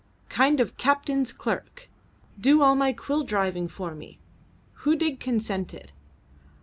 Kind of captain's clerk. Do all my quill driving for me." Hudig consented.